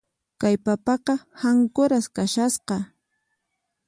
Kay papaqa hankuras kashasqa.